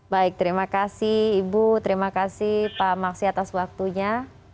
baik terima kasih ibu terima kasih pak maksi atas waktunya